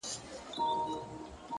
هڅه کوونکی بخت ته انتظار نه کوي